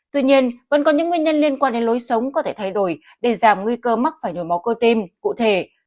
tuy nhiên vẫn có những nguyên nhân liên quan đến lối sống có thể thay đổi để giảm nguy cơ mắc phải nhồi máu cơ tim cụ thể